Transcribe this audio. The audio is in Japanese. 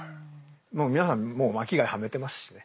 もう皆さんもう巻貝はめてますしね。